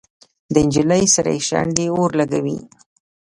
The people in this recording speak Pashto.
د نجلۍ سرې شونډې اور لګوي.